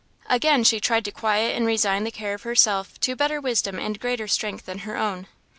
Again she tried to quiet and resign the care of herself to better wisdom and greater strength than her own.